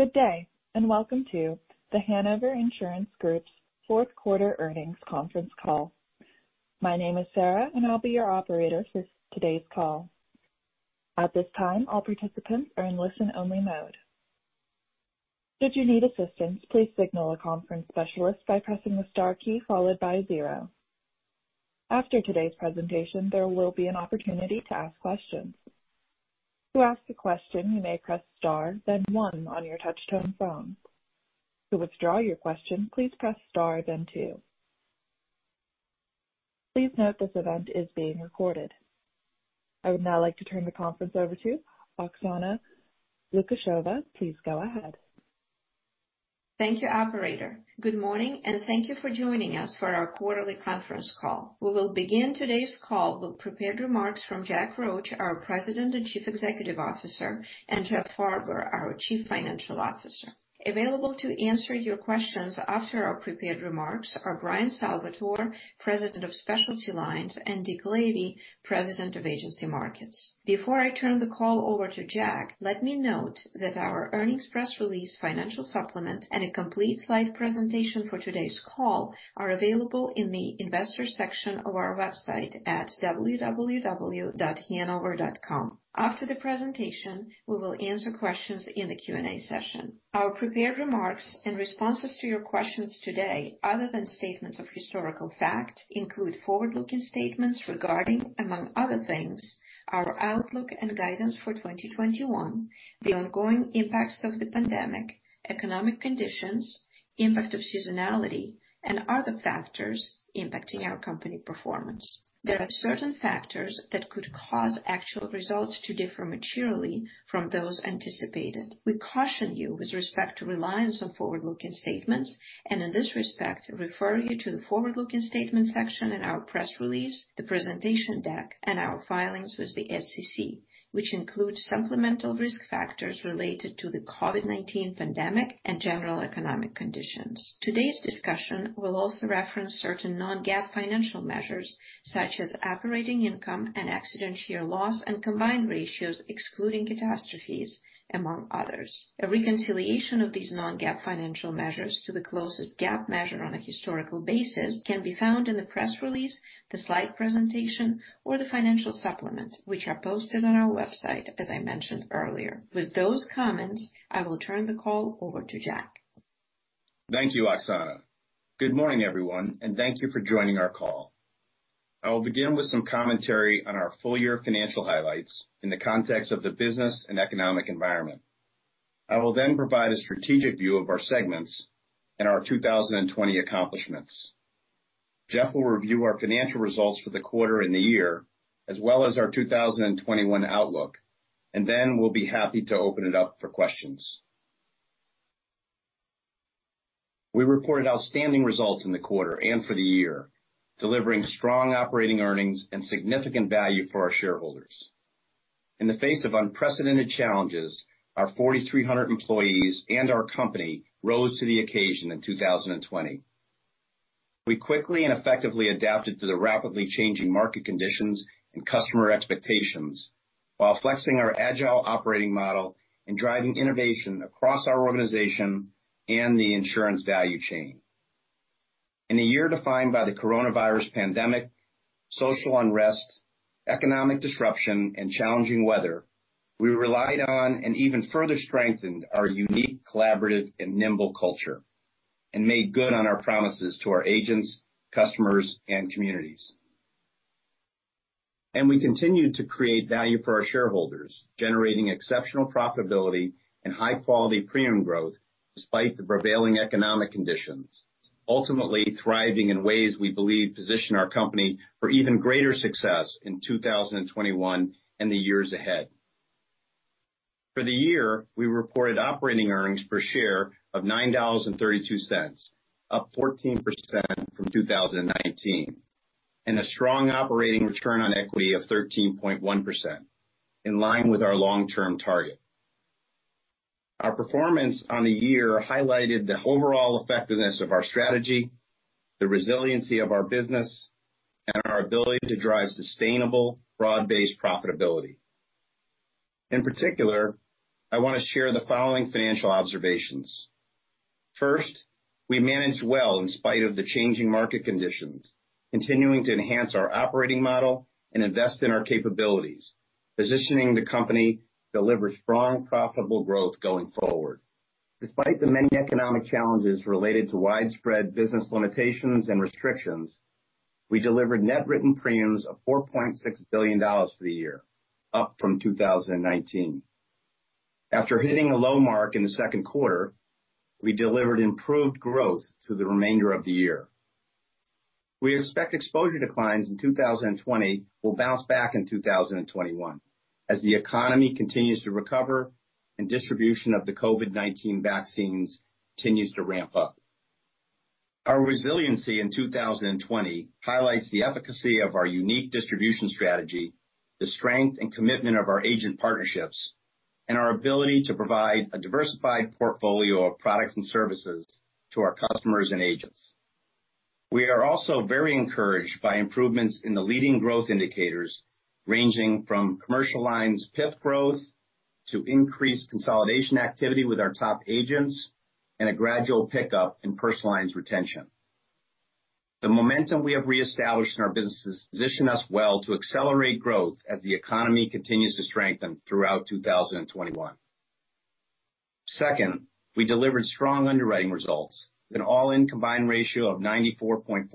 Good day, and welcome to The Hanover Insurance Group's fourth quarter earnings conference call. My name is Sarah, and I'll be your operator for today's call. At this time, all participants are in listen-only mode. Should you need assistance, please signal a conference specialist by pressing the star key followed by zero. After today's presentation, there will be an opportunity to ask questions. To ask a question, you may press star then one on your touch-tone phone. To withdraw your question, please press star then two. Please note this event is being recorded. I would now like to turn the conference over to Oksana Lukasheva. Please go ahead. Thank you, operator. Good morning, and thank you for joining us for our quarterly conference call. We will begin today's call with prepared remarks from Jack Roche, our President and Chief Executive Officer, and Jeff Farber, our Chief Financial Officer. Available to answer your questions after our prepared remarks are Bryan Salvatore, President of Specialty Lines, and Dick Lavey, President of Agency Markets. Before I turn the call over to Jack, let me note that our earnings press release financial supplement and a complete slide presentation for today's call are available in the investors section of our website at www.hanover.com. After the presentation, we will answer questions in the Q&A session. Our prepared remarks and responses to your questions today, other than statements of historical fact, include forward-looking statements regarding, among other things, our outlook and guidance for 2021, the ongoing impacts of the pandemic, economic conditions, impact of seasonality, and other factors impacting our company performance. There are certain factors that could cause actual results to differ materially from those anticipated. We caution you with respect to reliance on forward-looking statements, and in this respect, refer you to the forward-looking statements section in our press release, the presentation deck, and our filings with the SEC, which include supplemental risk factors related to the COVID-19 pandemic and general economic conditions. Today's discussion will also reference certain non-GAAP financial measures, such as operating income and accident year loss and combined ratios, excluding catastrophes, among others. A reconciliation of these non-GAAP financial measures to the closest GAAP measure on a historical basis can be found in the press release, the slide presentation, or the financial supplement, which are posted on our website, as I mentioned earlier. With those comments, I will turn the call over to Jack. Thank you, Oksana. Good morning, everyone, and thank you for joining our call. I will begin with some commentary on our full-year financial highlights in the context of the business and economic environment. I will then provide a strategic view of our segments and our 2020 accomplishments. Jeff will review our financial results for the quarter and the year, as well as our 2021 outlook, and then we'll be happy to open it up for questions. We reported outstanding results in the quarter and for the year, delivering strong operating earnings and significant value for our shareholders. In the face of unprecedented challenges, our 4,300 employees and our company rose to the occasion in 2020. We quickly and effectively adapted to the rapidly changing market conditions and customer expectations while flexing our agile operating model and driving innovation across our organization and the insurance value chain. In a year defined by the coronavirus pandemic, social unrest, economic disruption, and challenging weather, we relied on and even further strengthened our unique, collaborative and nimble culture and made good on our promises to our agents, customers, and communities. We continued to create value for our shareholders, generating exceptional profitability and high-quality premium growth despite the prevailing economic conditions, ultimately thriving in ways we believe position our company for even greater success in 2021 and the years ahead. For the year, we reported operating earnings per share of $9.32, up 14% from 2019, and a strong operating return on equity of 13.1%, in line with our long-term target. Our performance on the year highlighted the overall effectiveness of our strategy, the resiliency of our business, and our ability to drive sustainable, broad-based profitability. In particular, I want to share the following financial observations. First, we managed well in spite of the changing market conditions, continuing to enhance our operating model and invest in our capabilities, positioning the company to deliver strong, profitable growth going forward. Despite the many economic challenges related to widespread business limitations and restrictions, we delivered net written premiums of $4.6 billion for the year, up from 2019. After hitting a low mark in the second quarter, we delivered improved growth through the remainder of the year. We expect exposure declines in 2020 will bounce back in 2021 as the economy continues to recover and distribution of the COVID-19 vaccines continues to ramp up. Our resiliency in 2020 highlights the efficacy of our unique distribution strategy, the strength and commitment of our agent partnerships, and our ability to provide a diversified portfolio of products and services to our customers and agents. We are also very encouraged by improvements in the leading growth indicators, ranging from Commercial Lines PIF growth to increased consolidation activity with our top agents and a gradual pickup in Personal Lines retention. The momentum we have reestablished in our businesses position us well to accelerate growth as the economy continues to strengthen throughout 2021. Second, we delivered strong underwriting results, with an all-in combined ratio of 94.4%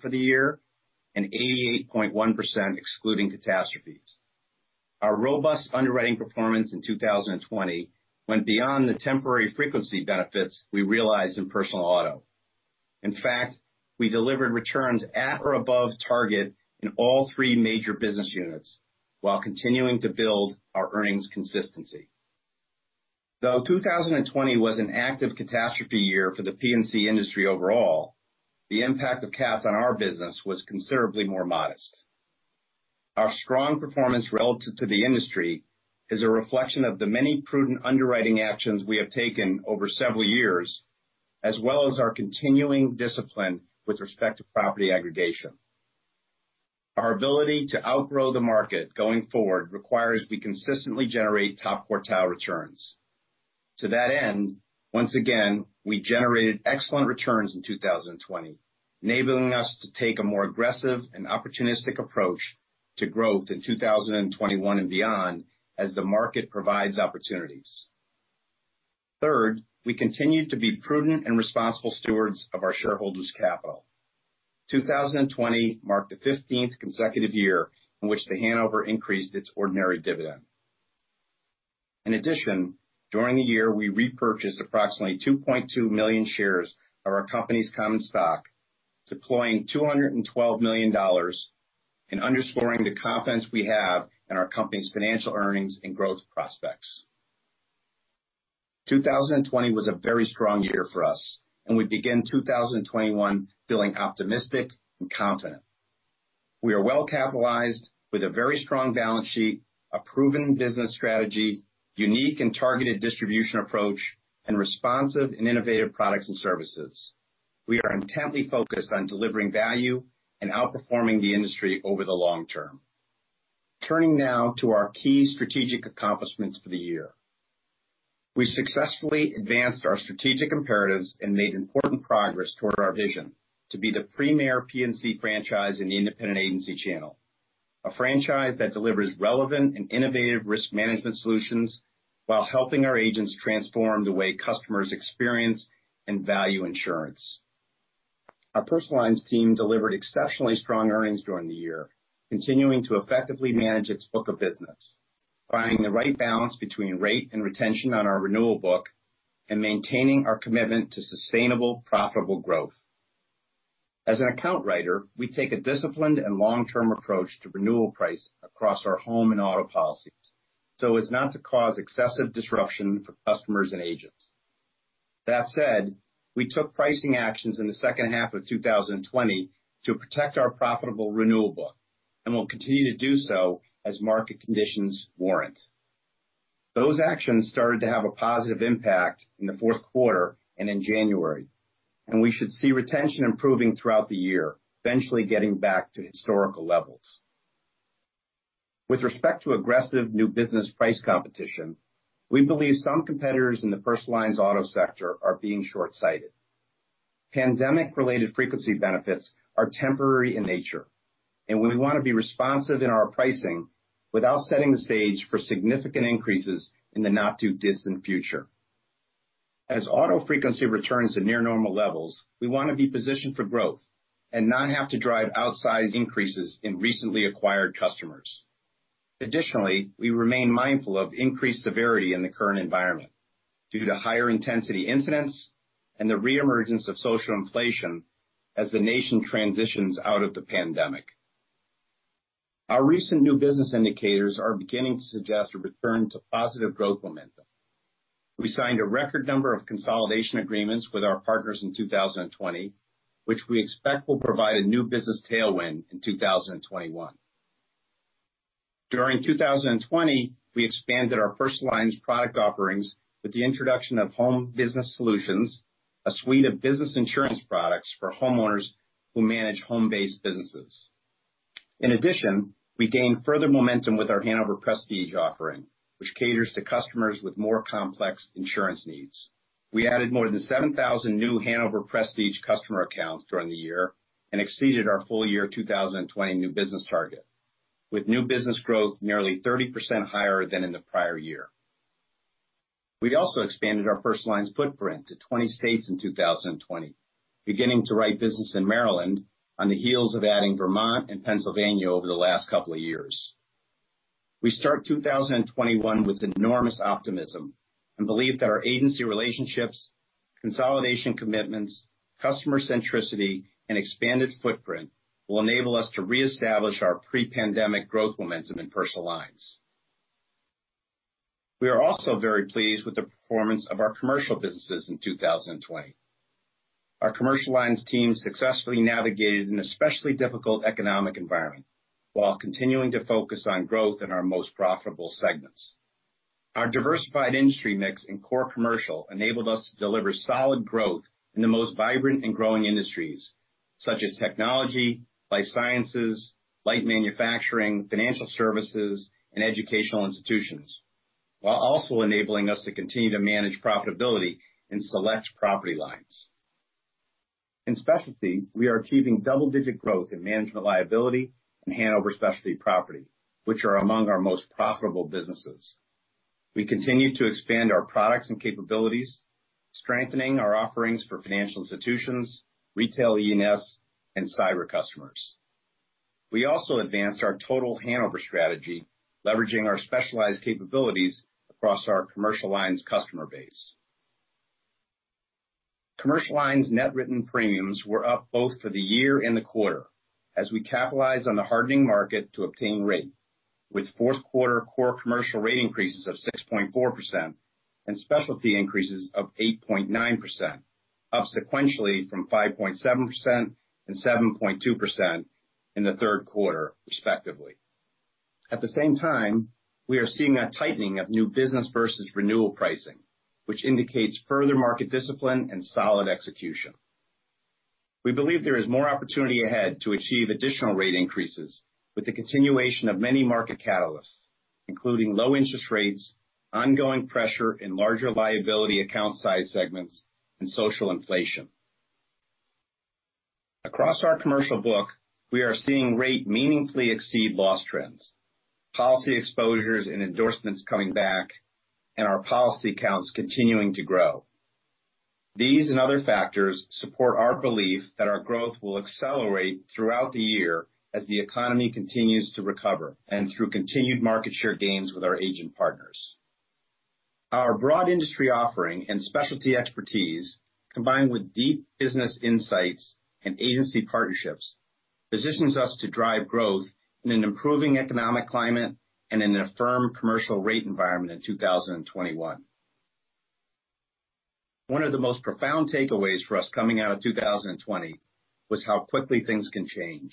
for the year and 88.1% excluding catastrophes. Our robust underwriting performance in 2020 went beyond the temporary frequency benefits we realized in personal auto. In fact, we delivered returns at or above target in all three major business units while continuing to build our earnings consistency. Though 2020 was an active catastrophe year for the P&C industry overall, the impact of cats on our business was considerably more modest. Our strong performance relative to the industry is a reflection of the many prudent underwriting actions we have taken over several years, as well as our continuing discipline with respect to property aggregation. Our ability to outgrow the market going forward requires we consistently generate top-quartile returns. To that end, once again, we generated excellent returns in 2020, enabling us to take a more aggressive and opportunistic approach to growth in 2021 and beyond as the market provides opportunities. Third, we continued to be prudent and responsible stewards of our shareholders' capital. 2020 marked the 15th consecutive year in which The Hanover increased its ordinary dividend. In addition, during the year, we repurchased approximately 2.2 million shares of our company's common stock, deploying $212 million, and underscoring the confidence we have in our company's financial earnings and growth prospects. 2020 was a very strong year for us, and we begin 2021 feeling optimistic and confident. We are well-capitalized with a very strong balance sheet, a proven business strategy, unique and targeted distribution approach, and responsive and innovative products and services. We are intently focused on delivering value and outperforming the industry over the long term. Turning now to our key strategic accomplishments for the year. We successfully advanced our strategic imperatives and made important progress toward our vision to be the premier P&C franchise in the independent agency channel, a franchise that delivers relevant and innovative risk management solutions while helping our agents transform the way customers experience and value insurance. Our Personal Lines team delivered exceptionally strong earnings during the year, continuing to effectively manage its book of business, finding the right balance between rate and retention on our renewal book, and maintaining our commitment to sustainable, profitable growth. As an account writer, we take a disciplined and long-term approach to renewal pricing across our home and auto policies so as not to cause excessive disruption for customers and agents. That said, we took pricing actions in the second half of 2020 to protect our profitable renewal book and will continue to do so as market conditions warrant. Those actions started to have a positive impact in the fourth quarter and in January, and we should see retention improving throughout the year, eventually getting back to historical levels. With respect to aggressive new business price competition, we believe some competitors in the Personal Lines auto sector are being shortsighted. Pandemic-related frequency benefits are temporary in nature, and we want to be responsive in our pricing without setting the stage for significant increases in the not-too-distant future. As auto frequency returns to near-normal levels, we want to be positioned for growth and not have to drive outsized increases in recently acquired customers. Additionally, we remain mindful of increased severity in the current environment due to higher-intensity incidents and the reemergence of social inflation as the nation transitions out of the pandemic. Our recent new business indicators are beginning to suggest a return to positive growth momentum. We signed a record number of consolidation agreements with our partners in 2020, which we expect will provide a new business tailwind in 2021. During 2020, we expanded our Personal Lines product offerings with the introduction of Home Business Solutions, a suite of business insurance products for homeowners who manage home-based businesses. In addition, we gained further momentum with our Hanover Prestige offering, which caters to customers with more complex insurance needs. We added more than 7,000 new Hanover Prestige customer accounts during the year and exceeded our full-year 2020 new business target, with new business growth nearly 30% higher than in the prior year. We also expanded our Personal Lines footprint to 20 states in 2020, beginning to write business in Maryland on the heels of adding Vermont and Pennsylvania over the last couple of years. We start 2021 with enormous optimism and believe that our agency relationships, consolidation commitments, customer centricity, and expanded footprint will enable us to reestablish our pre-pandemic growth momentum in Personal Lines. We are also very pleased with the performance of our commercial businesses in 2020. Our Commercial Lines team successfully navigated an especially difficult economic environment while continuing to focus on growth in our most profitable segments. Our diversified industry mix in core commercial enabled us to deliver solid growth in the most vibrant and growing industries such as technology, life sciences, light manufacturing, financial services, and educational institutions, while also enabling us to continue to manage profitability in select property lines. In specialty, we are achieving double-digit growth in management liability and Hanover Specialty Property, which are among our most profitable businesses. We continue to expand our products and capabilities, strengthening our offerings for financial institutions, retail E&S, and cyber customers. We also advanced our Total Hanover strategy, leveraging our specialized capabilities across our commercial lines customer base. Commercial lines net written premiums were up both for the year and the quarter as we capitalize on the hardening market to obtain rate, with fourth quarter core commercial rate increases of 6.4% and specialty increases of 8.9%, up sequentially from 5.7% and 7.2% in the third quarter, respectively. At the same time, we are seeing a tightening of new business versus renewal pricing, which indicates further market discipline and solid execution. We believe there is more opportunity ahead to achieve additional rate increases with the continuation of many market catalysts, including low interest rates, ongoing pressure in larger liability account size segments, and social inflation. Across our commercial book, we are seeing rate meaningfully exceed loss trends, policy exposures and endorsements coming back, and our policy counts continuing to grow. These and other factors support our belief that our growth will accelerate throughout the year as the economy continues to recover and through continued market share gains with our agent partners. Our broad industry offering and specialty expertise, combined with deep business insights and agency partnerships, positions us to drive growth in an improving economic climate and in a firm commercial rate environment in 2021. One of the most profound takeaways for us coming out of 2020 was how quickly things can change.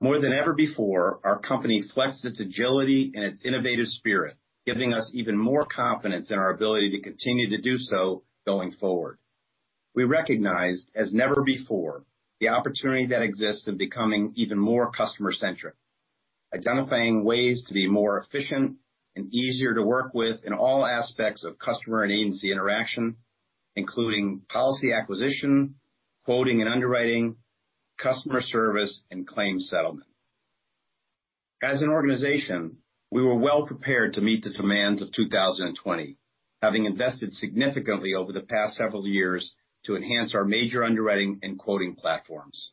More than ever before, our company flexed its agility and its innovative spirit, giving us even more confidence in our ability to continue to do so going forward. We recognized, as never before, the opportunity that exists of becoming even more customer-centric, identifying ways to be more efficient and easier to work with in all aspects of customer and agency interaction, including policy acquisition, quoting and underwriting, customer service, and claims settlement. As an organization, we were well prepared to meet the demands of 2020, having invested significantly over the past several years to enhance our major underwriting and quoting platforms.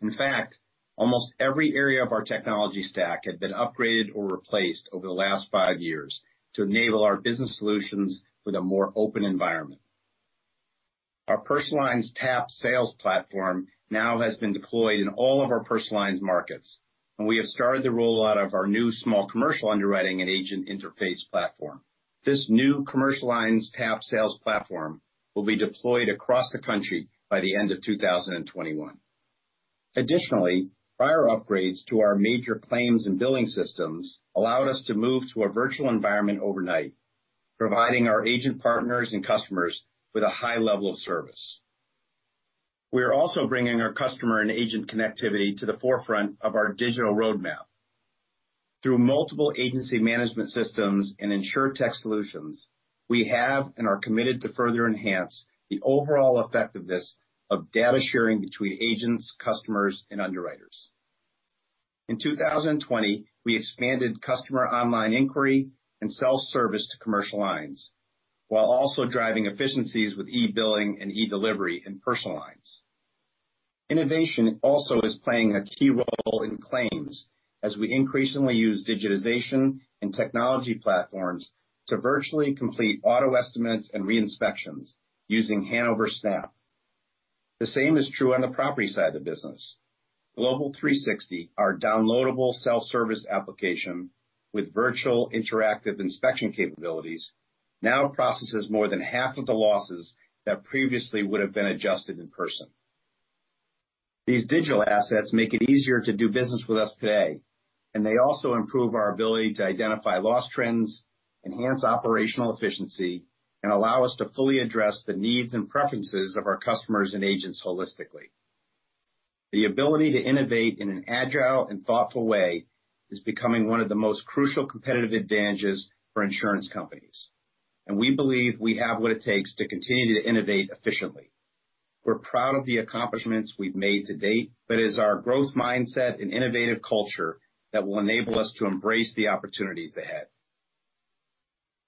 In fact, almost every area of our technology stack had been upgraded or replaced over the last five years to enable our business solutions with a more open environment. Our Personal Lines TAP Sales platform now has been deployed in all of our Personal Lines markets, and we have started the rollout of our new small commercial underwriting and agent interface platform. This new Commercial Lines TAP Sales platform will be deployed across the country by the end of 2021. Additionally, prior upgrades to our major claims and billing systems allowed us to move to a virtual environment overnight, providing our agent partners and customers with a high level of service. We are also bringing our customer and agent connectivity to the forefront of our digital roadmap. Through multiple agency management systems and InsurTech solutions, we have and are committed to further enhance the overall effectiveness of data sharing between agents, customers, and underwriters. In 2020, we expanded customer online inquiry and self-service to Commercial Lines, while also driving efficiencies with e-billing and e-delivery in Personal Lines. Innovation also is playing a key role in claims as we increasingly use digitization and technology platforms to virtually complete auto estimates and re-inspections using Hanover Snap. The same is true on the property side of the business. Global 360, our downloadable self-service application with virtual interactive inspection capabilities, now processes more than half of the losses that previously would have been adjusted in person. These digital assets make it easier to do business with us today, and they also improve our ability to identify loss trends, enhance operational efficiency, and allow us to fully address the needs and preferences of our customers and agents holistically. The ability to innovate in an agile and thoughtful way is becoming one of the most crucial competitive advantages for insurance companies. We believe we have what it takes to continue to innovate efficiently. We're proud of the accomplishments we've made to date, it is our growth mindset and innovative culture that will enable us to embrace the opportunities ahead.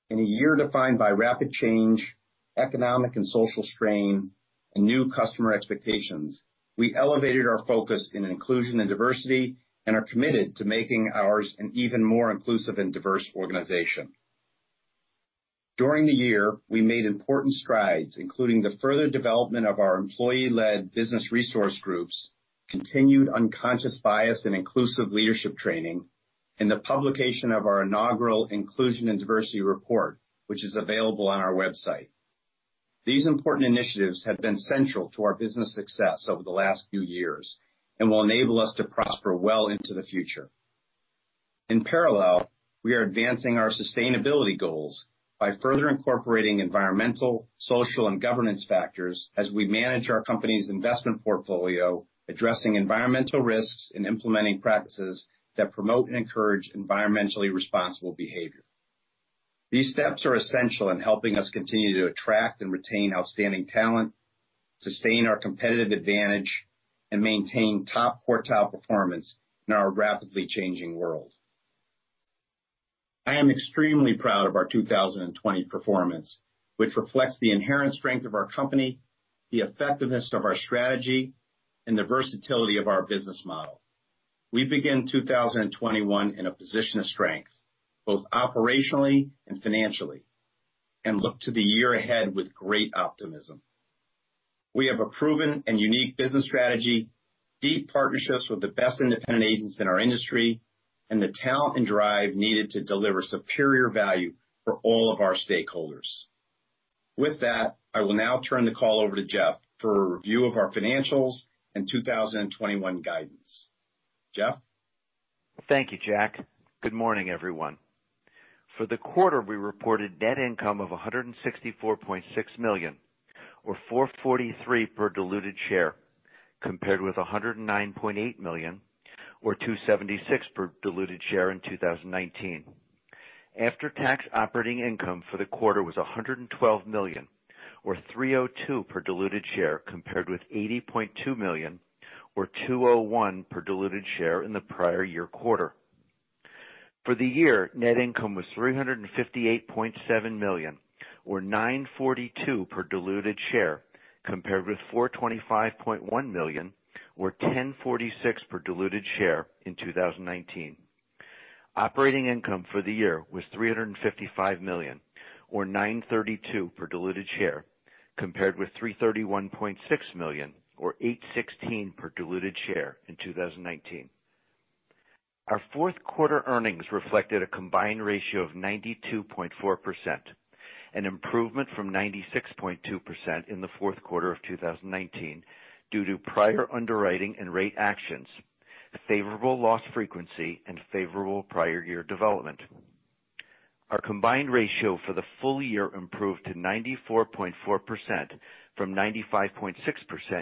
In a year defined by rapid change, economic and social strain, and new customer expectations, we elevated our focus in inclusion and diversity and are committed to making ours an even more inclusive and diverse organization. During the year, we made important strides, including the further development of our employee-led business resource groups, continued unconscious bias and inclusive leadership training, and the publication of our inaugural Inclusion and Diversity Report, which is available on our website. These important initiatives have been central to our business success over the last few years and will enable us to prosper well into the future. In parallel, we are advancing our sustainability goals by further incorporating environmental, social, and governance factors as we manage our company's investment portfolio, addressing environmental risks, and implementing practices that promote and encourage environmentally responsible behavior. These steps are essential in helping us continue to attract and retain outstanding talent, sustain our competitive advantage, and maintain top quartile performance in our rapidly changing world. I am extremely proud of our 2020 performance, which reflects the inherent strength of our company, the effectiveness of our strategy, and the versatility of our business model. We begin 2021 in a position of strength, both operationally and financially, and look to the year ahead with great optimism. We have a proven and unique business strategy, deep partnerships with the best independent agents in our industry, and the talent and drive needed to deliver superior value for all of our stakeholders. With that, I will now turn the call over to Jeff for a review of our financials and 2021 guidance. Jeff? Thank you, Jack. Good morning, everyone. For the quarter, we reported net income of $164.6 million, or $4.43 per diluted share, compared with $109.8 million, or $2.76 per diluted share in 2019. After-tax operating income for the quarter was $112 million, or $3.02 per diluted share, compared with $80.2 million, or $2.01 per diluted share in the prior year quarter. For the year, net income was $358.7 million, or $9.42 per diluted share, compared with $425.1 million, or $10.46 per diluted share in 2019. Operating income for the year was $355 million, or $9.32 per diluted share, compared with $331.6 million or $8.16 per diluted share in 2019. Our fourth quarter earnings reflected a combined ratio of 92.4%, an improvement from 96.2% in the fourth quarter of 2019 due to prior underwriting and rate actions, a favorable loss frequency, and favorable prior year development. Our combined ratio for the full year improved to 94.4% from 95.6%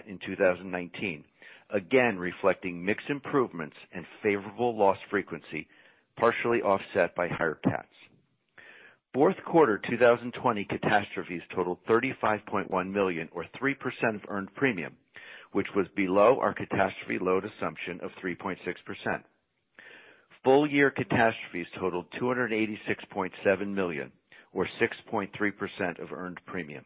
in 2019, again reflecting mixed improvements and favorable loss frequency, partially offset by higher CATs. Fourth quarter 2020 catastrophes totaled $35.1 million or 3% of earned premium, which was below our catastrophe load assumption of 3.6%. Full-year catastrophes totaled $286.7 million or 6.3% of earned premium.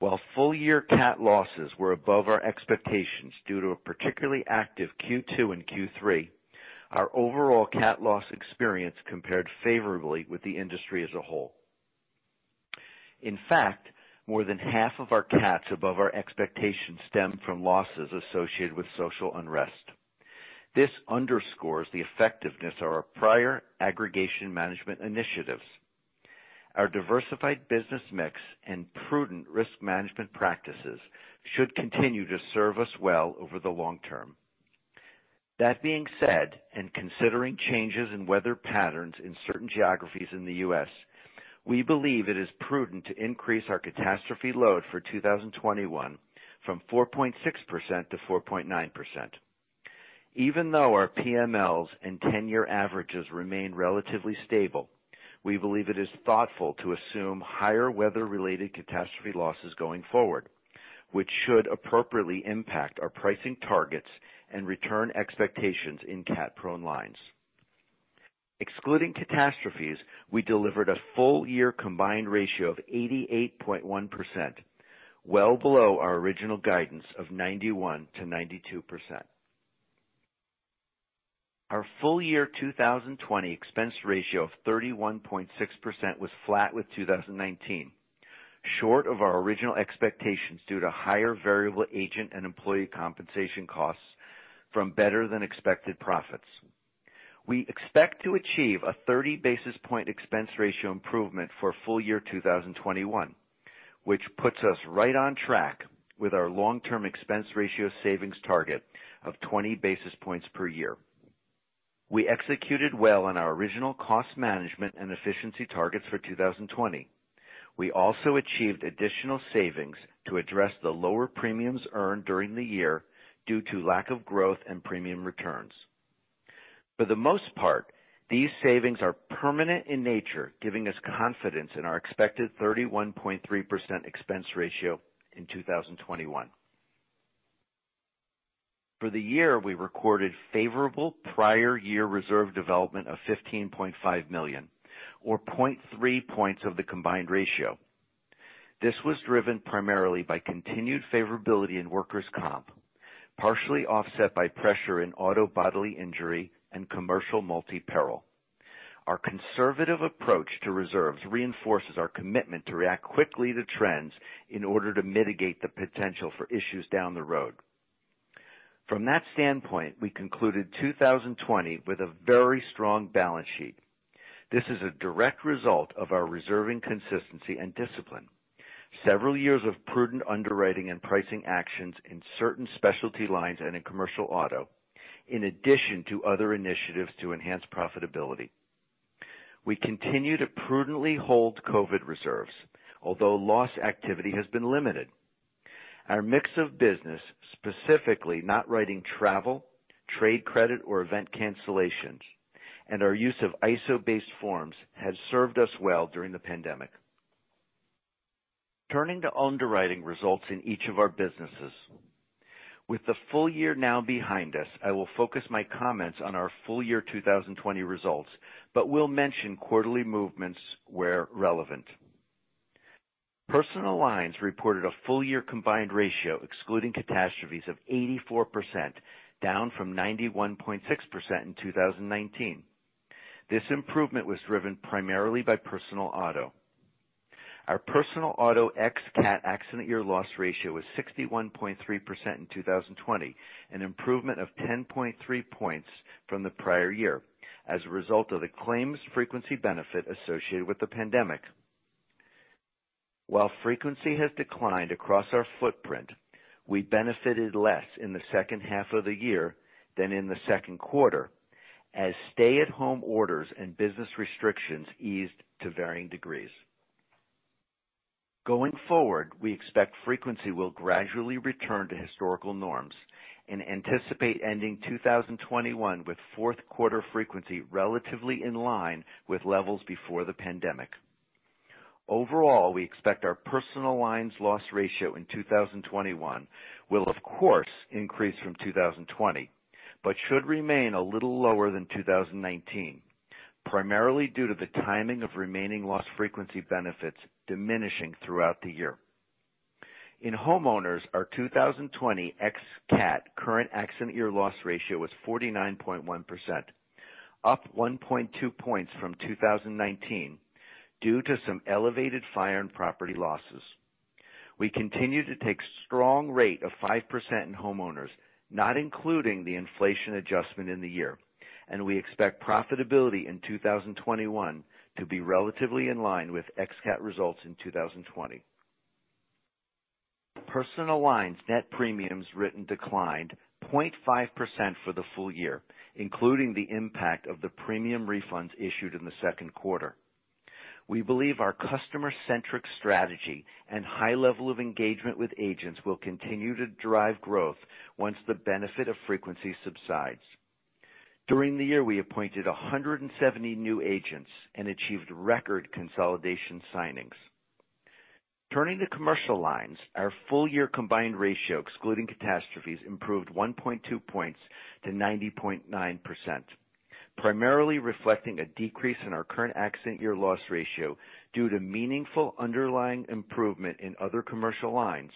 While full-year CAT losses were above our expectations due to a particularly active Q2 and Q3, our overall CAT loss experience compared favorably with the industry as a whole. In fact, more than half of our CATs above our expectations stemmed from losses associated with social unrest. This underscores the effectiveness of our prior aggregation management initiatives. Our diversified business mix and prudent risk management practices should continue to serve us well over the long term. That being said, considering changes in weather patterns in certain geographies in the U.S., we believe it is prudent to increase our catastrophe load for 2021 from 4.6% to 4.9%. Even though our PMLs and 10-year averages remain relatively stable, we believe it is thoughtful to assume higher weather-related catastrophe losses going forward, which should appropriately impact our pricing targets and return expectations in CAT-prone lines. Excluding catastrophes, we delivered a full-year combined ratio of 88.1%, well below our original guidance of 91%-92%. Our full-year 2020 expense ratio of 31.6% was flat with 2019, short of our original expectations due to higher variable agent and employee compensation costs from better than expected profits. We expect to achieve a 30-basis point expense ratio improvement for full-year 2021, which puts us right on track with our long-term expense ratio savings target of 20 basis points per year. We executed well on our original cost management and efficiency targets for 2020. We also achieved additional savings to address the lower premiums earned during the year due to lack of growth and premium returns. For the most part, these savings are permanent in nature, giving us confidence in our expected 31.3% expense ratio in 2021. For the year, we recorded favorable prior year reserve development of $15.5 million or 0.3 points of the combined ratio. This was driven primarily by continued favorability in workers' comp, partially offset by pressure in auto bodily injury and commercial multi-peril. Our conservative approach to reserves reinforces our commitment to react quickly to trends in order to mitigate the potential for issues down the road. From that standpoint, we concluded 2020 with a very strong balance sheet. This is a direct result of our reserving consistency and discipline. Several years of prudent underwriting and pricing actions in certain Specialty Lines and in commercial auto, in addition to other initiatives to enhance profitability. We continue to prudently hold COVID reserves, although loss activity has been limited. Our mix of business, specifically not writing travel, trade credit, or event cancellations, and our use of ISO-based forms, has served us well during the pandemic. Turning to underwriting results in each of our businesses. With the full year now behind us, I will focus my comments on our full year 2020 results, but will mention quarterly movements where relevant. Personal Lines reported a full year combined ratio excluding catastrophes of 84%, down from 91.6% in 2019. This improvement was driven primarily by personal auto. Our personal auto ex-CAT accident year loss ratio was 61.3% in 2020, an improvement of 10.3 points from the prior year, as a result of the claims frequency benefit associated with the pandemic. While frequency has declined across our footprint, we benefited less in the second half of the year than in the second quarter, as stay-at-home orders and business restrictions eased to varying degrees. Going forward, we expect frequency will gradually return to historical norms and anticipate ending 2021 with fourth quarter frequency relatively in line with levels before the pandemic. Overall, we expect our Personal Lines loss ratio in 2021 will, of course, increase from 2020, but should remain a little lower than 2019, primarily due to the timing of remaining loss frequency benefits diminishing throughout the year. In homeowners, our 2020 ex-CAT current accident year loss ratio was 49.1%, up 1.2 points from 2019 due to some elevated fire and property losses. We continue to take strong rate of 5% in homeowners, not including the inflation adjustment in the year, and we expect profitability in 2021 to be relatively in line with ex-CAT results in 2020. Personal Lines net premiums written declined 0.5% for the full year, including the impact of the premium refunds issued in the second quarter. We believe our customer-centric strategy and high level of engagement with agents will continue to drive growth once the benefit of frequency subsides. During the year, we appointed 170 new agents and achieved record consolidation signings. Turning to Commercial Lines, our full year combined ratio, excluding catastrophes, improved 1.2 points to 90.9%, primarily reflecting a decrease in our current accident year loss ratio due to meaningful underlying improvement in other commercial lines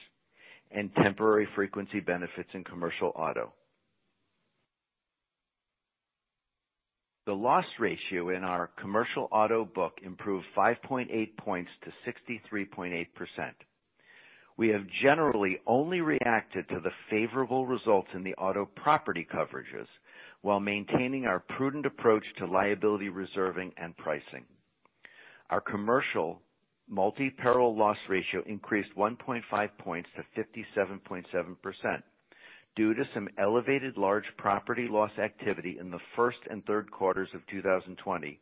and temporary frequency benefits in commercial auto. The loss ratio in our commercial auto book improved 5.8 points to 63.8%. We have generally only reacted to the favorable results in the auto property coverages while maintaining our prudent approach to liability reserving and pricing. Our commercial multi-peril loss ratio increased 1.5 points to 57.7% due to some elevated large property loss activity in the first and third quarters of 2020,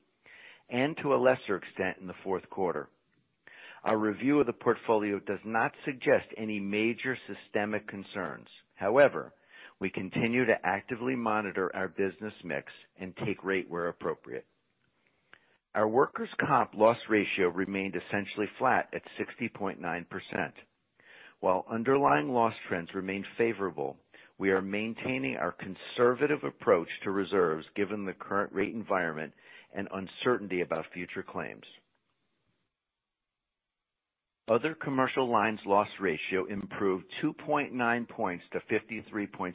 and to a lesser extent, in the fourth quarter. Our review of the portfolio does not suggest any major systemic concerns. However, we continue to actively monitor our business mix and take rate where appropriate. Our workers' comp loss ratio remained essentially flat at 60.9%. While underlying loss trends remain favorable, we are maintaining our conservative approach to reserves given the current rate environment and uncertainty about future claims. Other commercial lines loss ratio improved 2.9 points to 53.6%,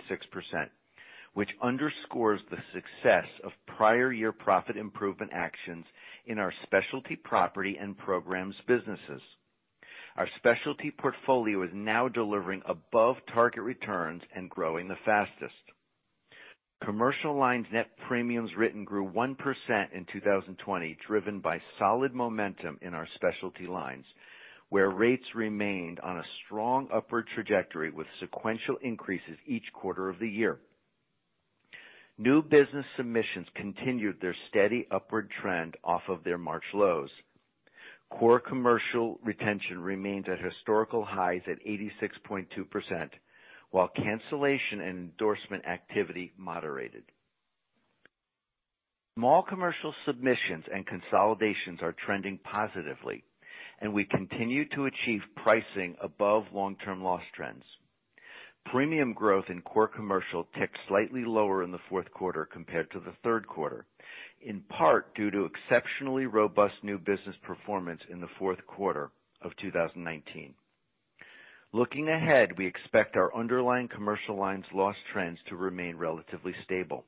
which underscores the success of prior year profit improvement actions in our specialty property and programs businesses. Our specialty portfolio is now delivering above-target returns and growing the fastest. Commercial Lines net premiums written grew 1% in 2020, driven by solid momentum in our Specialty Lines, where rates remained on a strong upward trajectory with sequential increases each quarter of the year. New business submissions continued their steady upward trend off of their March lows. Core commercial retention remains at historical highs at 86.2%, while cancellation and endorsement activity moderated. Small commercial submissions and consolidations are trending positively. We continue to achieve pricing above long-term loss trends. Premium growth in core commercial ticked slightly lower in the fourth quarter compared to the third quarter, in part due to exceptionally robust new business performance in the fourth quarter of 2019. Looking ahead, we expect our underlying commercial lines loss trends to remain relatively stable.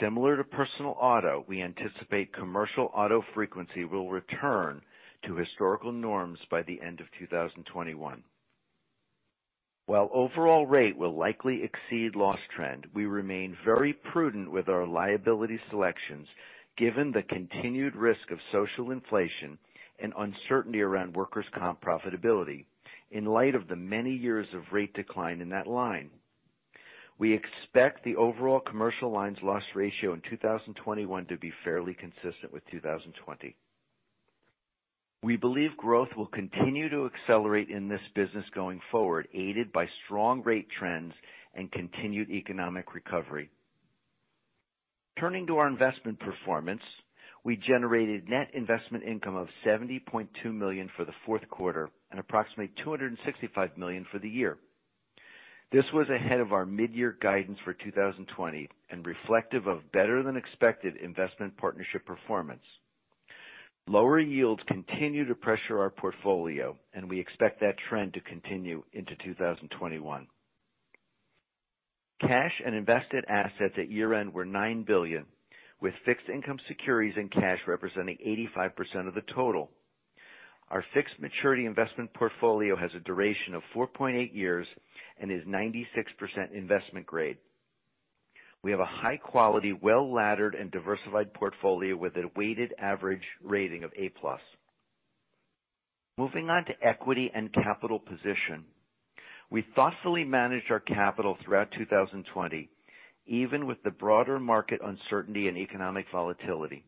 Similar to personal auto, we anticipate commercial auto frequency will return to historical norms by the end of 2021. While overall rate will likely exceed loss trend, we remain very prudent with our liability selections given the continued risk of social inflation and uncertainty around workers' comp profitability in light of the many years of rate decline in that line. We expect the overall commercial lines loss ratio in 2021 to be fairly consistent with 2020. We believe growth will continue to accelerate in this business going forward, aided by strong rate trends and continued economic recovery. Turning to our investment performance, we generated net investment income of $70.2 million for the fourth quarter and approximately $265 million for the year. This was ahead of our mid-year guidance for 2020 and reflective of better than expected investment partnership performance. Lower yields continue to pressure our portfolio. We expect that trend to continue into 2021. Cash and invested assets at year-end were $9 billion, with fixed income securities and cash representing 85% of the total. Our fixed maturity investment portfolio has a duration of 4.8 years and is 96% investment grade. We have a high-quality, well-laddered, and diversified portfolio with a weighted average rating of A-plus. Moving on to equity and capital position. We thoughtfully managed our capital throughout 2020, even with the broader market uncertainty and economic volatility.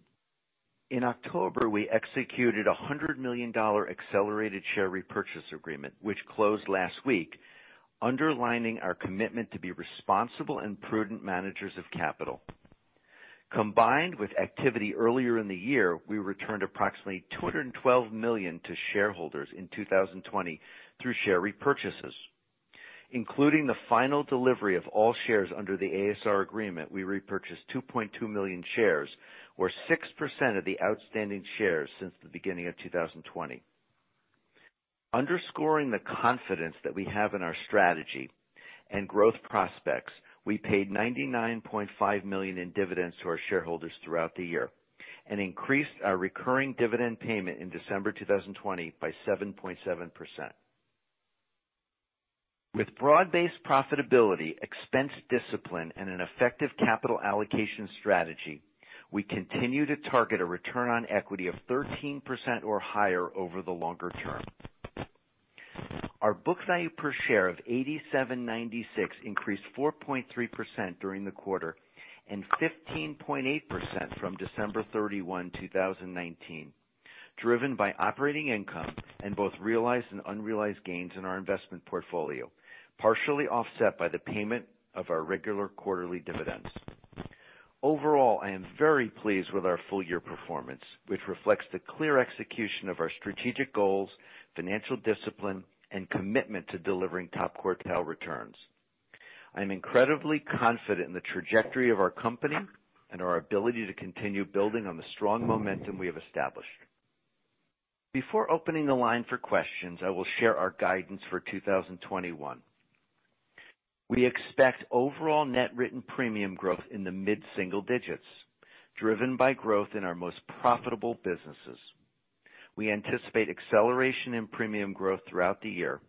In October, we executed a $100 million accelerated share repurchase agreement, which closed last week, underlining our commitment to be responsible and prudent managers of capital. Combined with activity earlier in the year, we returned approximately $212 million to shareholders in 2020 through share repurchases. Including the final delivery of all shares under the ASR agreement, we repurchased 2.2 million shares, or 6% of the outstanding shares since the beginning of 2020. Underscoring the confidence that we have in our strategy and growth prospects, we paid $99.5 million in dividends to our shareholders throughout the year and increased our recurring dividend payment in December 2020 by 7.7%. With broad-based profitability, expense discipline, and an effective capital allocation strategy, we continue to target a return on equity of 13% or higher over the longer term. Our book value per share of $87.96 increased 4.3% during the quarter and 15.8% from December 31, 2019, driven by operating income and both realized and unrealized gains in our investment portfolio, partially offset by the payment of our regular quarterly dividends. Overall, I am very pleased with our full-year performance, which reflects the clear execution of our strategic goals, financial discipline, and commitment to delivering top quartile returns. I am incredibly confident in the trajectory of our company and our ability to continue building on the strong momentum we have established. Before opening the line for questions, I will share our guidance for 2021. We expect overall net written premium growth in the mid-single digits, driven by growth in our most profitable businesses. We anticipate acceleration in premium growth throughout the year.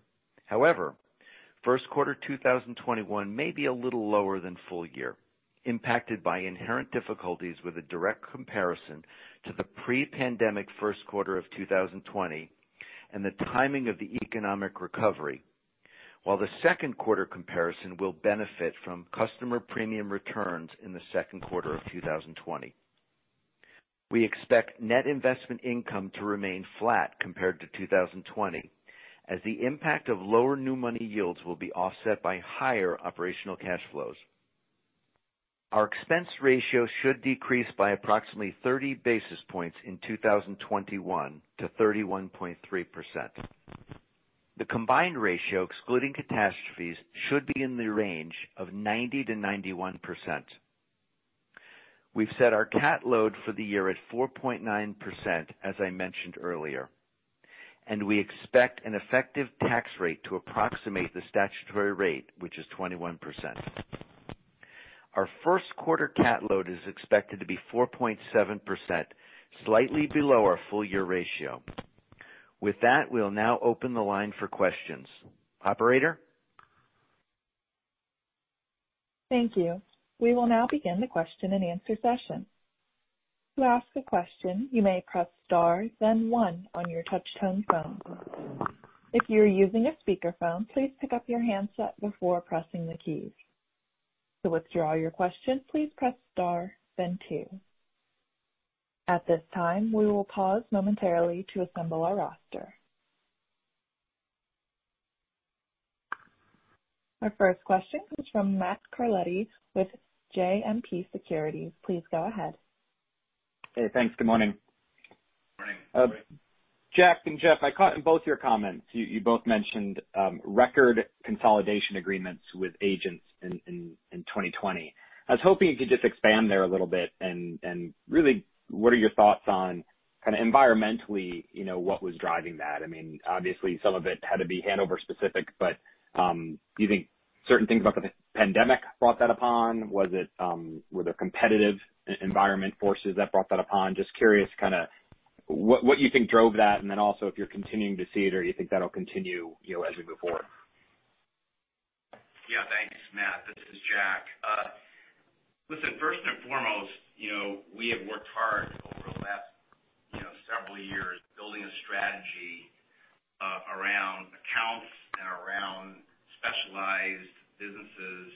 First quarter 2021 may be a little lower than full year, impacted by inherent difficulties with a direct comparison to the pre-pandemic first quarter of 2020 and the timing of the economic recovery. While the second quarter comparison will benefit from customer premium returns in the second quarter of 2020. Our expense ratio should decrease by approximately 30 basis points in 2021 to 31.3%. The combined ratio, excluding catastrophes, should be in the range of 90%-91%. We've set our cat load for the year at 4.9%, as I mentioned earlier, and we expect an effective tax rate to approximate the statutory rate, which is 21%. Our first quarter cat load is expected to be 4.7%, slightly below our full-year ratio. With that, we'll now open the line for questions. Operator? Thank you. We will now begin the question-and-answer session. To ask a question, you may press star then one on your touchtone phone. If you are using a speakerphone, please pick up your handset before pressing the keys. To withdraw your question, please press star then two. At this time, we will pause momentarily to assemble our roster. Our first question comes from Matt Carletti with JMP Securities. Please go ahead. Hey, thanks. Good morning. Morning. Jack and Jeff, I caught in both your comments, you both mentioned record consolidation agreements with agents in 2020. I was hoping you could just expand there a little bit and really, what are your thoughts on Kind of environmentally, what was driving that? Obviously, some of it had to be Hanover specific, but do you think certain things about the pandemic brought that upon? Were there competitive environment forces that brought that upon? Just curious what you think drove that, and then also if you're continuing to see it or you think that'll continue as we move forward. Yeah. Thanks, Matt. This is Jack. Listen, first and foremost, we have worked hard over the last several years building a strategy around accounts and around specialized businesses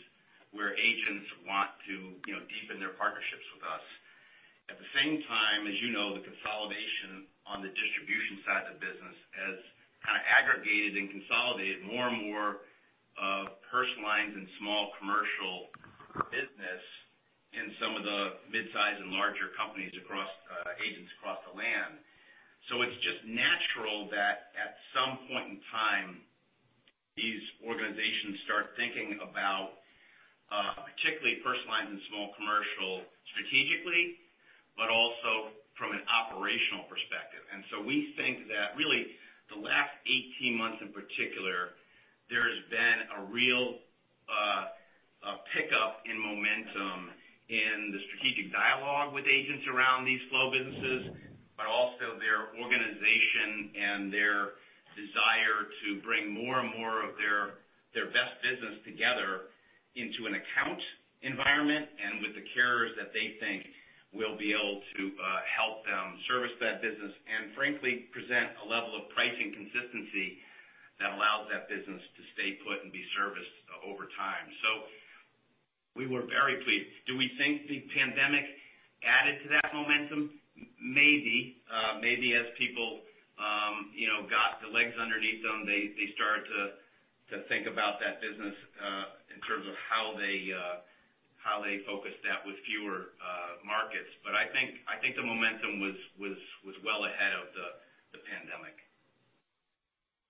where agents want to deepen their partnerships with us. At the same time, as you know, the consolidation on the distribution side of the business has kind of aggregated and consolidated more and more Personal Lines and small Commercial business in some of the mid-size and larger companies across agents across the land. It's just natural that at some point in time, these organizations start thinking about, particularly Personal Lines and small Commercial strategically, but also from an operational perspective. We think that really the last 18 months in particular, there's been a real pickup in momentum in the strategic dialogue with agents around these flow businesses, but also their organization and their desire to bring more and more of their best business together into an account environment and with the carriers that they think will be able to help them service that business, and frankly, present a level of pricing consistency that allows that business to stay put and be serviced over time. We were very pleased. Do we think the pandemic added to that momentum? Maybe. Maybe as people got the legs underneath them, they started to think about that business in terms of how they focus that with fewer markets. I think the momentum was well ahead of the pandemic.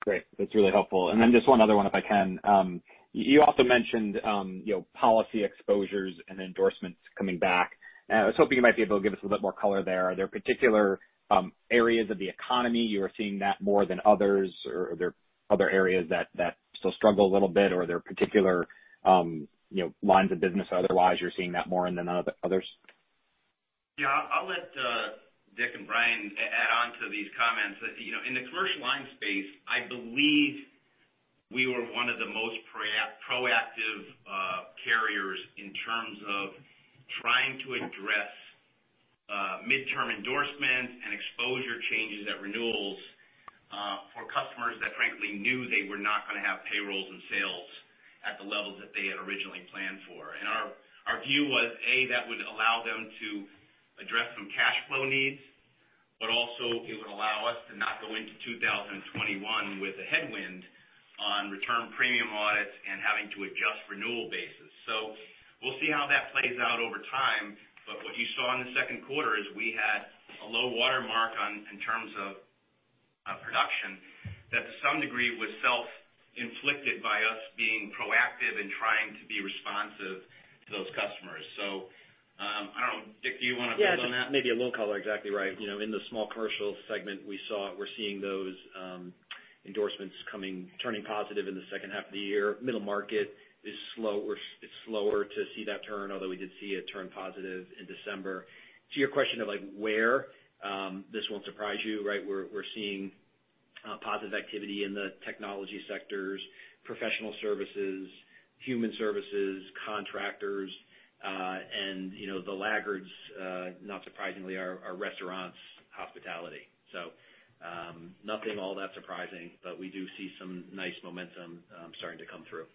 Great. That's really helpful. Just one other one if I can. You also mentioned policy exposures and endorsements coming back. I was hoping you might be able to give us a bit more color there. Are there particular areas of the economy you are seeing that more than others, or are there other areas that still struggle a little bit, or are there particular lines of business otherwise you're seeing that more in than others? Yeah. I'll let Dick and Bryan add on to these comments. In the commercial line space, I believe we were one of the most proactive carriers in terms of trying to address midterm endorsements and exposure changes at renewals for customers that frankly knew they were not going to have payrolls and sales at the levels that they had originally planned for. Our view was, A, that would allow them to address some cash flow needs, but also it would allow us to not go into 2021 with a headwind on return premium audits and having to adjust renewal basis. We'll see how that plays out over time, but what you saw in the second quarter is we had a low water mark in terms of production that to some degree was self-inflicted by us being proactive and trying to be responsive to those customers. I don't know, Dick, do you want to build on that? Yeah. Maybe a little color, exactly right. In the small commercial segment, we're seeing those endorsements turning positive in the second half of the year. Middle market is slower to see that turn, although we did see it turn positive in December. To your question of where, this won't surprise you. We're seeing positive activity in the technology sectors, professional services, human services, contractors. The laggards, not surprisingly, are restaurants, hospitality. Nothing all that surprising, but we do see some nice momentum starting to come through.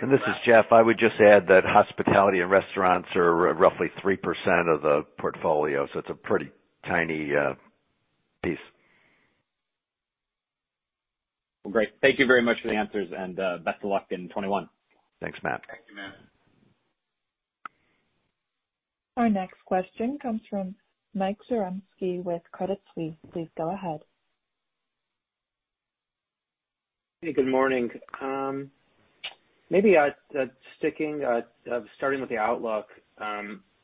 From that- This is Jeff. I would just add that hospitality and restaurants are roughly 3% of the portfolio, so it's a pretty tiny piece. Well, great. Thank you very much for the answers, and best of luck in 2021. Thanks, Matt. Thank you, Matt. Our next question comes from Mike Zaremski with Credit Suisse. Please go ahead. Hey, good morning. Maybe starting with the outlook,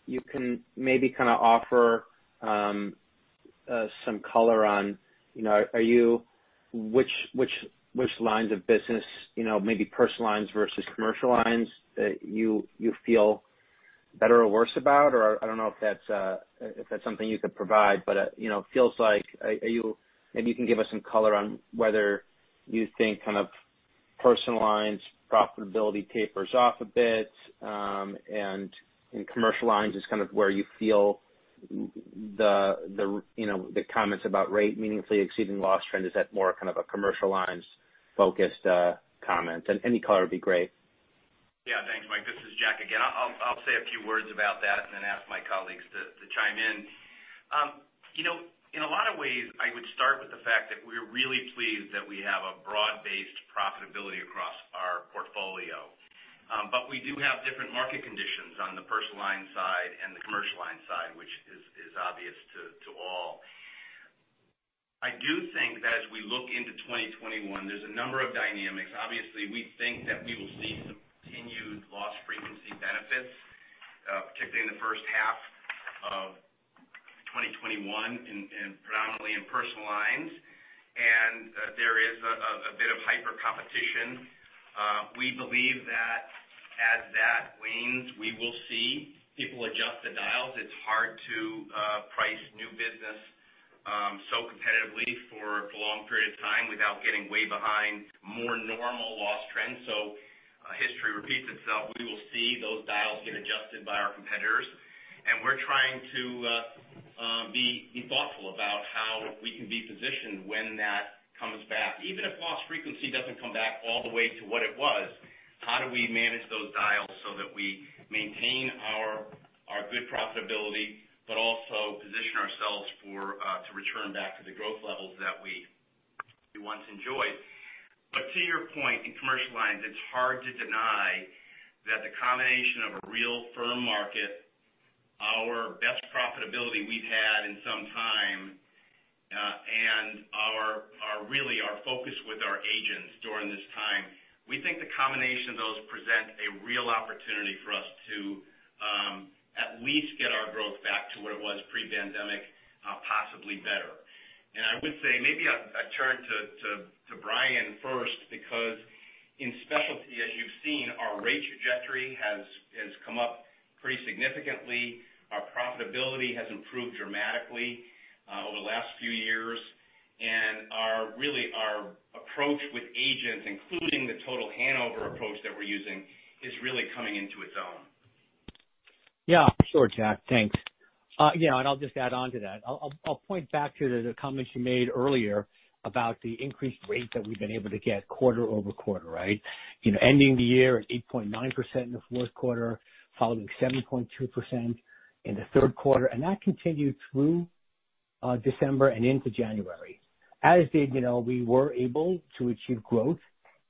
you can maybe kind of offer some color on which lines of business, maybe Personal Lines versus Commercial Lines, that you feel better or worse about, or I don't know if that's something you could provide. It feels like maybe you can give us some color on whether you think Personal Lines profitability tapers off a bit, and Commercial Lines is kind of where you feel the comments about rate meaningfully exceeding loss trend. Is that more kind of a Commercial Lines focused comment? Any color would be great. Thanks, Mike. This is Jack again. I'll say a few words about that and then ask my colleagues to chime in. In a lot of ways, I would start with the fact that we're really pleased that we have a broad-based profitability across our portfolio. We do have different market conditions on the Personal Lines side and the Commercial Lines side, which is obvious to all. I do think that as we look into 2021, there's a number of dynamics. Obviously, we think that we will see continued loss frequency benefits, particularly in the first half of 2021, predominantly in Personal Lines. There is a bit of hyper competition. We believe that as that wanes, we will see people adjust the dials. It's hard to price new business so competitively for a prolonged period of time without getting way behind more normal loss trends. History repeats itself. We will see those dials get adjusted by our competitors, and we're trying to be thoughtful about how we can be positioned when that comes back. Even if loss frequency doesn't come back all the way to what it was, how do we manage those dials so that we maintain our good profitability, but also position ourselves to return back to the growth levels that we once enjoyed? To your point, in Commercial Lines, it's hard to deny that the combination of a real firm market, our best profitability we've had in some time, and really our focus with our agents during this time. We think the combination of those present a real opportunity for us to at least get our growth back to what it was pre-pandemic, possibly better. I would say, maybe I turn to Bryan first, because in Specialty Lines, as you've seen, our rate trajectory has come up pretty significantly. Our profitability has improved dramatically over the last few years, and really our approach with agents, including the total Hanover approach that we're using, is really coming into its own. Sure, Jack. Thanks. I'll just add on to that. I'll point back to the comments you made earlier about the increased rate that we've been able to get quarter over quarter, right? Ending the year at 8.9% in the fourth quarter, following 7.2% in the third quarter, and that continued through December and into January. As said, we were able to achieve growth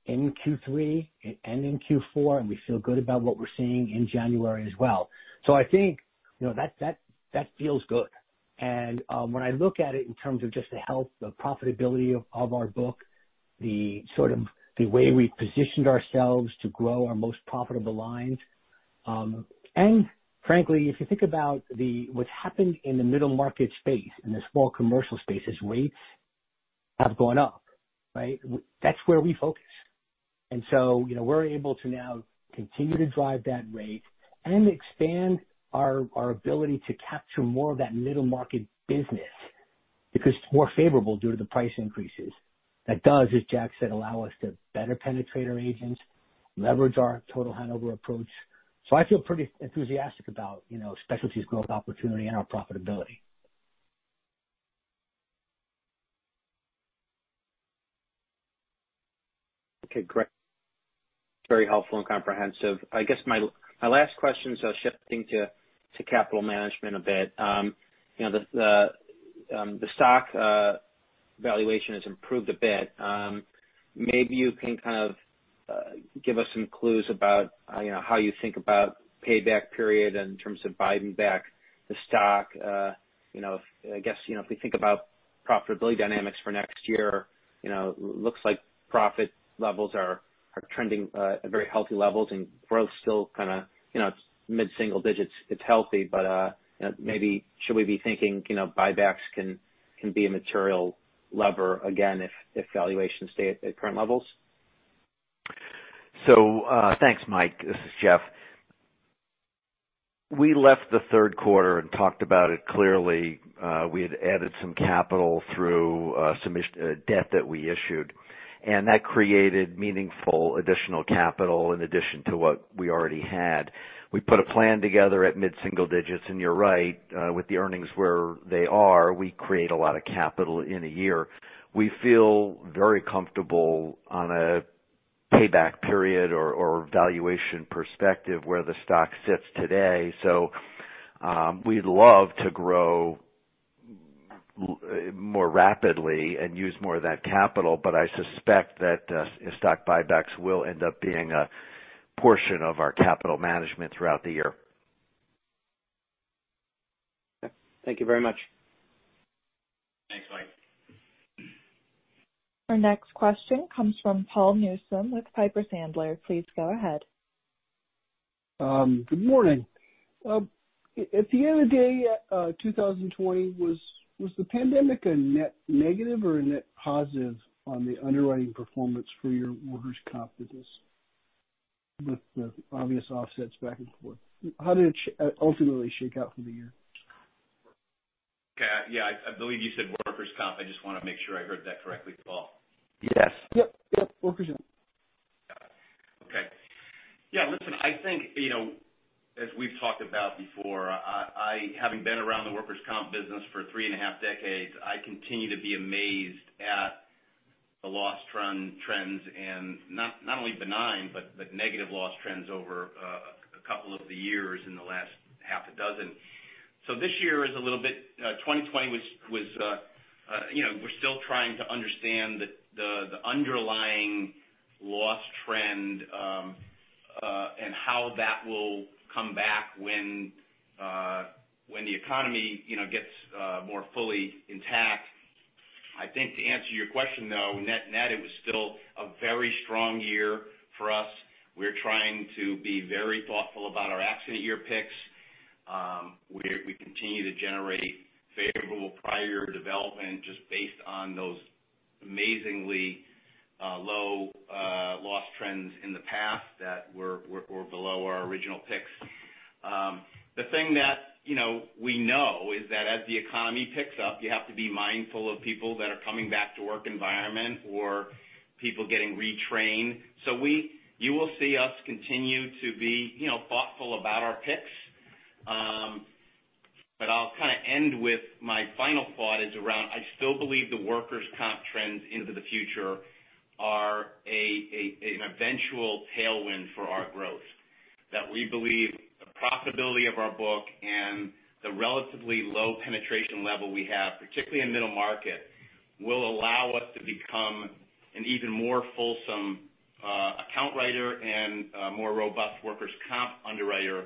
in Q3 and in Q4, and we feel good about what we're seeing in January as well. I think that feels good. When I look at it in terms of just the health, the profitability of our book, the way we've positioned ourselves to grow our most profitable lines. Frankly, if you think about what's happened in the middle market space, in the small commercial space, as rates have gone up. That's where we focus. We're able to now continue to drive that rate and expand our ability to capture more of that middle market business because it's more favorable due to the price increases. That does, as Jack said, allow us to better penetrate our agents, leverage our total Hanover approach. I feel pretty enthusiastic about Specialty's growth opportunity and our profitability. Okay, great. Very helpful and comprehensive. I guess my last question, shifting to capital management a bit. The stock valuation has improved a bit. Maybe you can give us some clues about how you think about payback period in terms of buying back the stock. I guess, if we think about profitability dynamics for next year, looks like profit levels are trending at very healthy levels, and growth's still mid-single digits. It's healthy, but maybe should we be thinking buybacks can be a material lever again if valuations stay at current levels? Thanks, Mike. This is Jeff. We left the third quarter and talked about it clearly. We had added some capital through some debt that we issued, and that created meaningful additional capital in addition to what we already had. We put a plan together at mid-single digits, and you're right, with the earnings where they are, we create a lot of capital in a year. We feel very comfortable on a payback period or valuation perspective where the stock sits today. We'd love to grow more rapidly and use more of that capital, but I suspect that stock buybacks will end up being a portion of our capital management throughout the year. Okay. Thank you very much. Thanks, Mike. Our next question comes from Paul Newsome with Piper Sandler. Please go ahead. Good morning. At the end of the day, 2020, was the pandemic a net negative or a net positive on the underwriting performance for your workers' comp business? With the obvious offsets back and forth, how did it ultimately shake out for the year? Okay. Yeah. I believe you said workers' comp. I just want to make sure I heard that correctly, Paul. Yes. Yep. Workers' comp. Got it. Okay. Yeah, listen, I think, as we've talked about before, I, having been around the workers' comp business for three and a half decades, I continue to be amazed at the loss trends, and not only benign, but negative loss trends over a couple of the years in the last half a dozen. This year is a little bit 2020 was, we're still trying to understand the underlying That will come back when the economy gets more fully intact. I think to answer your question, though, net, it was still a very strong year for us. We're trying to be very thoughtful about our accident year picks. We continue to generate favorable prior development just based on those amazingly low loss trends in the past that were below our original picks. The thing that we know is that as the economy picks up, you have to be mindful of people that are coming back to work environment or people getting retrained. You will see us continue to be thoughtful about our picks. I'll end with my final thought, is around, I still believe the workers' comp trends into the future are an eventual tailwind for our growth. That we believe the profitability of our book and the relatively low penetration level we have, particularly in middle market, will allow us to become an even more fulsome account writer and a more robust workers' comp underwriter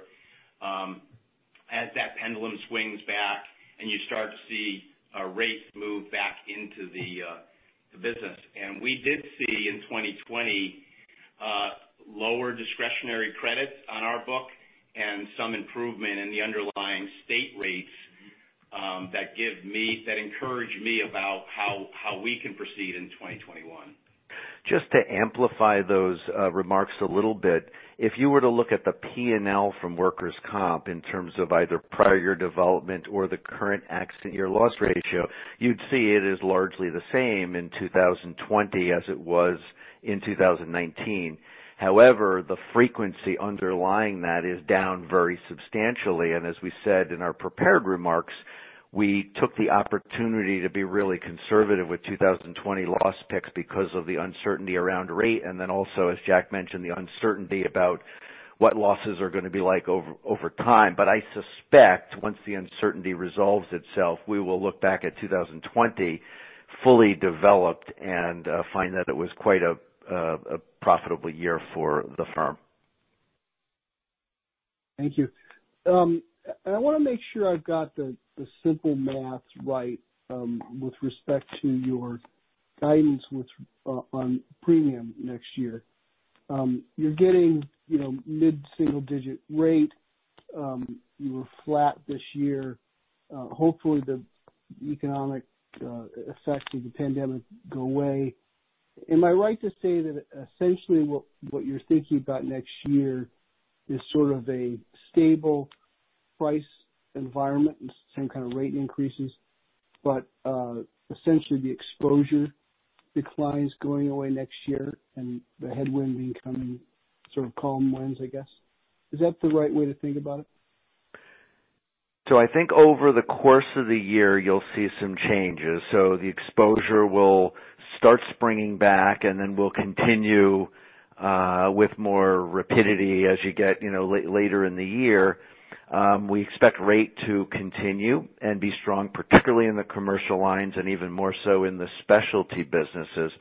as that pendulum swings back and you start to see rates move back into the business. We did see in 2020 lower discretionary credits on our book and some improvement in the underlying state rates that encourage me about how we can proceed in 2021. Just to amplify those remarks a little bit, if you were to look at the P&L from workers' comp in terms of either prior development or the current accident year loss ratio, you'd see it is largely the same in 2020 as it was in 2019. The frequency underlying that is down very substantially. As we said in our prepared remarks, we took the opportunity to be really conservative with 2020 loss picks because of the uncertainty around rate, and also, as Jack mentioned, the uncertainty about what losses are going to be like over time. I suspect once the uncertainty resolves itself, we will look back at 2020 fully developed and find that it was quite a profitable year for the firm. Thank you. I want to make sure I've got the simple math right with respect to your guidance on premium next year. You're getting mid-single-digit rate. You were flat this year. Hopefully, the economic effects of the pandemic go away. Am I right to say that essentially what you're thinking about next year is sort of a stable price environment and same kind of rate increases, but essentially the exposure declines going away next year and the headwind becoming sort of calm winds, I guess? Is that the right way to think about it? I think over the course of the year, you'll see some changes. The exposure will start springing back and will continue with more rapidity as you get later in the year. We expect rate to continue and be strong, particularly in the commercial lines, and even more so in the specialty businesses,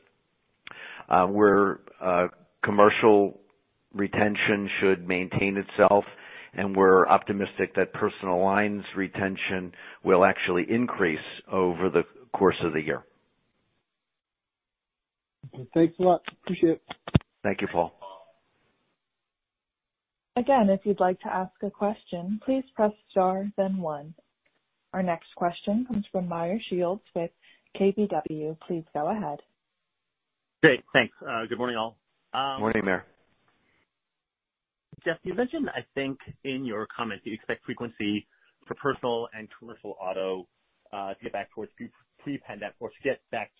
where commercial retention should maintain itself, and we're optimistic that personal lines retention will actually increase over the course of the year. Okay. Thanks a lot. Appreciate it. Thank you, Paul. If you'd like to ask a question, please press star then one. Our next question comes from Meyer Shields with KBW. Please go ahead. Great. Thanks. Good morning, all. Morning, Meyer. Jeff, you mentioned, I think in your comments, you expect frequency for personal and commercial auto to get back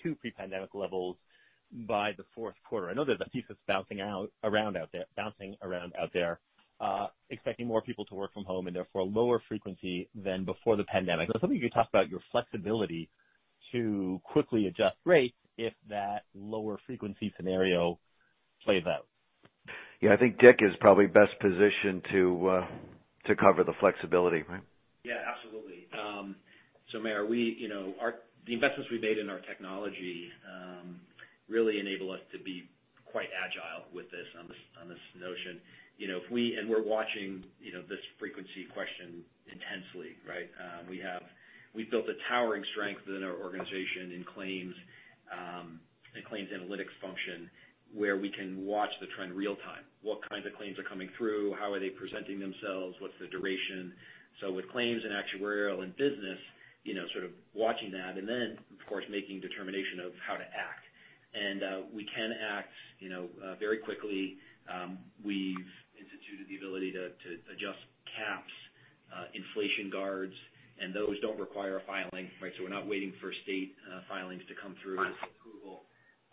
to pre-pandemic levels by the fourth quarter. I know there's a thesis bouncing around out there expecting more people to work from home and therefore lower frequency than before the pandemic. I was hoping you could talk about your flexibility to quickly adjust rates if that lower frequency scenario plays out. Yeah, I think Dick is probably best positioned to cover the flexibility, right? Yeah, absolutely. Meyer, the investments we made in our technology really enable us to be quite agile with this on this notion. We're watching this frequency question intensely, right? We've built a towering strength within our organization in claims analytics function, where we can watch the trend real-time. What kinds of claims are coming through? How are they presenting themselves? What's the duration? With claims and actuarial and business, sort of watching that, then, of course, making determination of how to act. We can act very quickly. We've instituted the ability to adjust caps, inflation guards, and those don't require a filing, right? We're not waiting for state filings to come through for approval.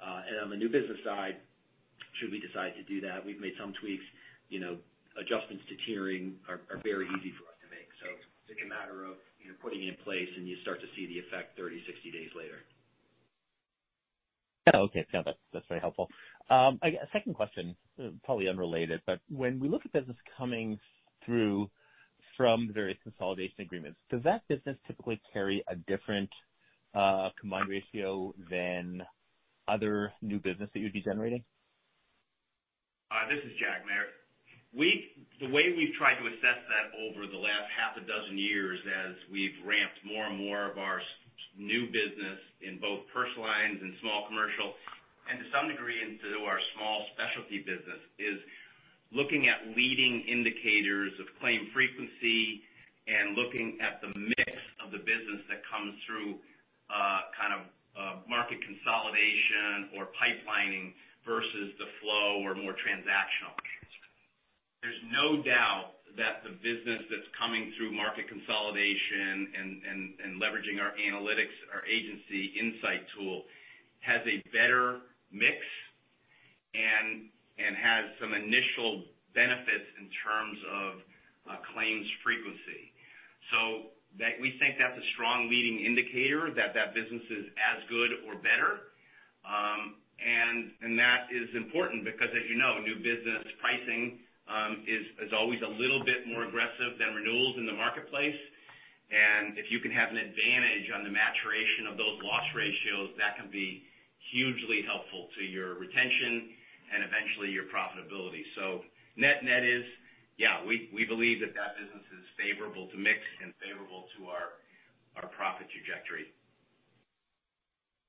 On the new business side, should we decide to do that, we've made some tweaks. Adjustments to tiering are very easy for us to make. It's like a matter of putting it in place, and you start to see the effect 30, 60 days later. Oh, okay. That's very helpful. A second question, probably unrelated, but when we look at business coming through from various consolidation agreements, does that business typically carry a different combined ratio than other new business that you'd be generating? This is Jack Roche. The way we've tried to assess that over the last half a dozen years, as we've ramped more and more of our new business in both Personal Lines and small commercial, and to some degree, into our small specialty business, is looking at leading indicators of claim frequency and looking at the mix of the business that comes through market consolidation or pipelining versus the flow or more transactional business. There's no doubt that the business that's coming through market consolidation and leveraging our analytics, our Agency Insight tool, has a better mix and has some initial benefits in terms of claims frequency. We think that's a strong leading indicator that business is as good or better. That is important because, as you know, new business pricing is always a little bit more aggressive than renewals in the marketplace. If you can have an advantage on the maturation of those loss ratios, that can be hugely helpful to your retention and eventually your profitability. Net-net is, yeah, we believe that that business is favorable to mix and favorable to our profit trajectory.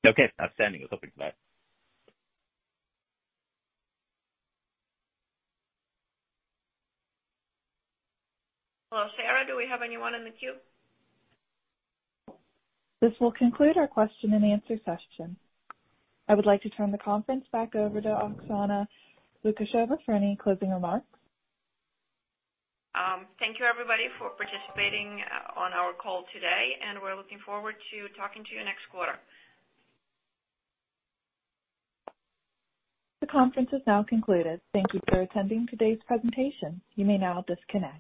Okay. Outstanding. I was hoping for that. Hello, Sarah, do we have anyone in the queue? This will conclude our question and answer session. I would like to turn the conference back over to Oksana Lukasheva for any closing remarks. Thank you, everybody, for participating on our call today, and we're looking forward to talking to you next quarter. The conference is now concluded. Thank you for attending today's presentation. You may now disconnect.